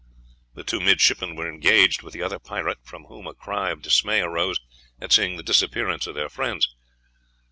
The two midshipmen were engaged with the other pirate, from whom a cry of dismay arose at seeing the disappearance of their friends.